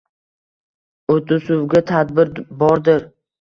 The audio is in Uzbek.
O’tu suvga tadbir bordir